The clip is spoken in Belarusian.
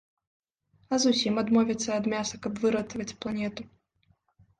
А зусім адмовіцца ад мяса, каб выратаваць планету?